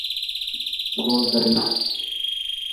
فون ڪريس.